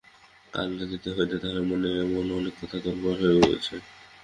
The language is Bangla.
কল্য রাত্রি হইতে তাঁহার মনেও এমন অনেক কথা তোলপাড় হইয়াছে।